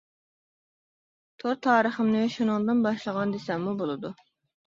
تور تارىخىمنى شۇنىڭدىن باشلىغان دېسەممۇ بولىدۇ.